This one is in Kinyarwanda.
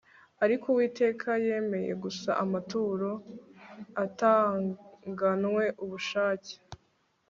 ariko uwiteka yemeye gusa amaturo atanganwe ubushake